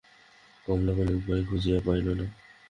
কমলা কোনো উপায় খুঁজিয়া পাইল না।